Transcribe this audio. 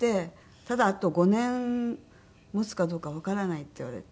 「ただあと５年持つかどうかわからない」って言われて。